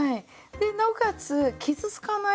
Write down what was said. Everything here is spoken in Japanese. でなおかつ傷つかないんですね